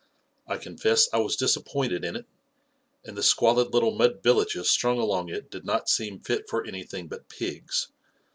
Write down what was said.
I confess I was dis appointed in it, and the squalid little mud villages strung along it did not seem fit for anything but pigs.